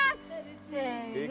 せの。